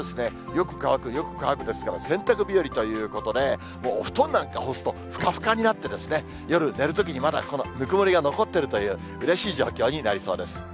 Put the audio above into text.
よく乾く、よく乾くですから、洗濯日和ということで、もうお布団なんか干すとふかふかになって、夜寝るときに、まだぬくもりが残っているという、うれしい状況になりそうです。